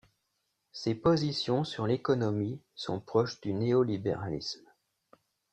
Ses positions sur l'économie sont proches du néo-libéralisme.